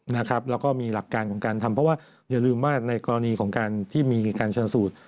แล้วก็มีหลักการของการทำเพราะว่าอย่าลืมว่าในกรณีของการที่มีการชนสูตร